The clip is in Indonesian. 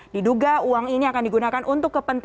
diduga uang ini akan digunakan untuk kepentingan